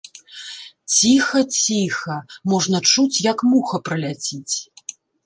Ціха, ціха, можна чуць, як муха праляціць.